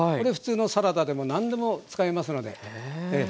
普通のサラダでも何でも使えますので。